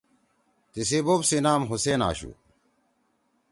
تیِسی بوپ سی نام حُسین آشُو۔